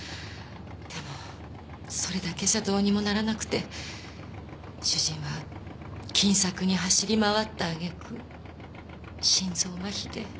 でもそれだけじゃどうにもならなくて主人は金策に走り回ったあげく心臓マヒで。